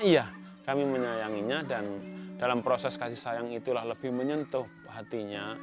iya kami menyayanginya dan dalam proses kasih sayang itulah lebih menyentuh hatinya